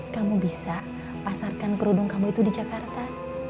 kamu bisa pasarkan kerudung kamu itu di jakarta